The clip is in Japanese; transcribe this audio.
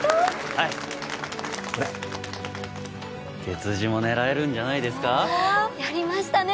はいこれ月次も狙えるんじゃないですかやりましたね